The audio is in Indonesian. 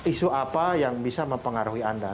isu apa yang bisa mempengaruhi anda